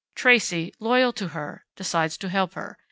Tracey, loyal to her, decides to help her.